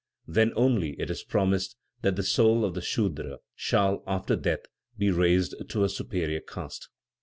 Then only it is promised that the soul of the Sudra shall, after death, be raised to a superior caste.